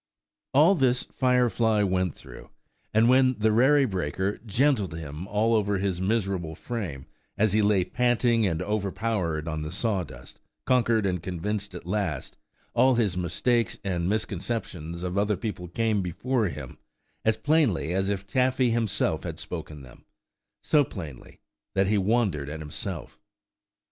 All this Firefly went through; and when the Rarey breaker "gentled" him all over his miserable frame, as he lay panting and overpowered on the sawdust, conquered and convinced at last, all his mistakes and misconceptions of other people came before him, as plainly as if Taffy himself had spoken them; so plainly, that he wondered at himself.